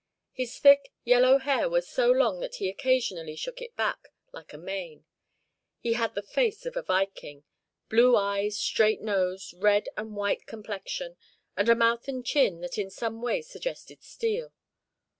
His thick, yellow hair was so long that he occasionally shook it back, like a mane. He had the face of a Viking blue eyes, straight nose, red and white complexion, and a mouth and chin that in some way suggested steel.